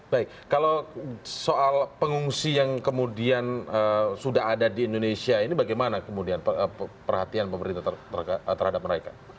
baik kalau soal pengungsi yang kemudian sudah ada di indonesia ini bagaimana kemudian perhatian pemerintah terhadap mereka